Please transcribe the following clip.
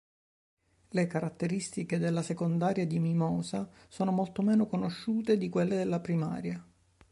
Le caratteristiche della secondaria di Mimosa sono molto meno conosciute di quelle della primaria.